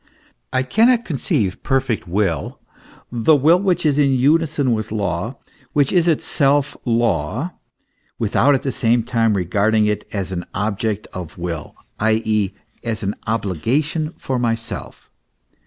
I cannot conceive perfect will, the will which is in unison with law, which is itself law, without at the same time regarding it as an object of will, i.e., as an obligation for myself.